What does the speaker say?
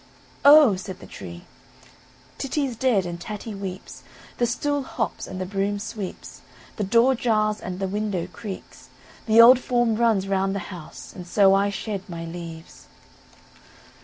"Oh!" said the tree, "Titty's dead, and Tatty weeps, the stool hops, and the broom sweeps, the door jars, and the window creaks, the old form runs round the house, and so I shed my leaves."